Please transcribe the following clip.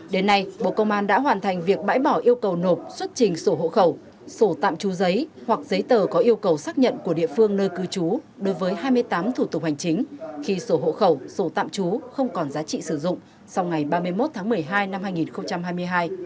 đến nay bộ công an đã hoàn thành việc bãi bỏ yêu cầu nộp xuất trình sổ hộ khẩu sổ tạm trú giấy hoặc giấy tờ có yêu cầu xác nhận của địa phương nơi cư trú đối với hai mươi tám thủ tục hành chính khi sổ hộ khẩu sổ tạm trú không còn giá trị sử dụng sau ngày ba mươi một tháng một mươi hai năm hai nghìn hai mươi hai